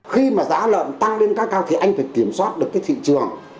khi mà giá lợn tăng lên khá cao thì anh phải kiểm soát được cái thị trường